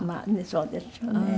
そうですよね。